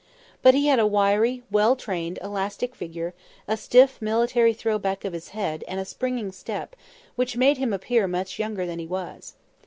But he had a wiry, well trained, elastic figure, a stiff military throw back of his head, and a springing step, which made him appear much younger than he was.